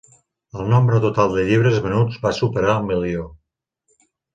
El nombre total de llibres venuts va superar el milió.